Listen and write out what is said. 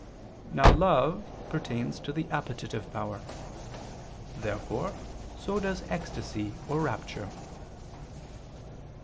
Now love pertains to the appetitive power. Therefore so does ecstasy or rapture.